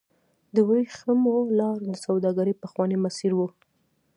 د ورېښمو لار د سوداګرۍ پخوانی مسیر و.